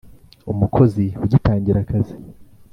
Umukozi ugitangira akazi